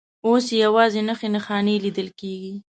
اوس یې یوازې نښې نښانې لیدل کېږي.